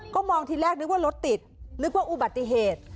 ก็มองทีแรกนึกว่ารถติดนึกว่าอุบัติเหตุ